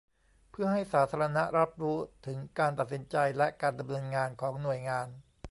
เพื่อให้สาธารณะรับรู้ถึงการตัดสินใจ และ การดำเนินงานของหน่วยงาน